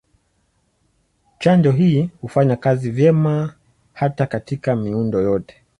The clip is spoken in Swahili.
Chanjo hii hufanya kazi vyema hata katika miundo yote.